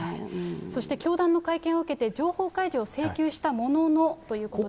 そして教団の会見を受けて、情報開示を請求したものの、ということです。